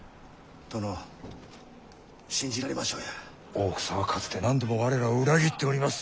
大草はかつて何度も我らを裏切っております。